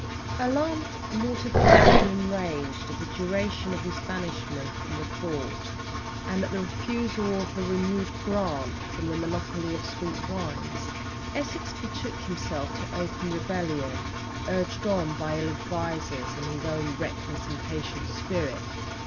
Alarmed, mortified, and enraged at the duration of his banishment from court, and at the refusal of a renewed grant for the monopoly of sweet wines, Essex betook himself to open rebellion, urged on by ill advisers and his own reckless impatient spirit.